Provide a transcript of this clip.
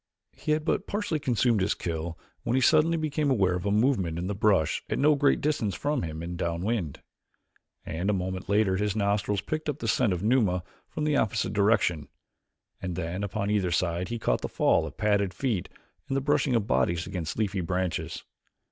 He had but partially consumed his kill when he suddenly became aware of a movement in the brush at no great distance from him and downwind, and a moment later his nostrils picked up the scent of Numa from the opposite direction, and then upon either side he caught the fall of padded feet and the brushing of bodies against leafy branches.